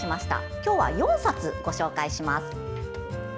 今日は４冊ご紹介します。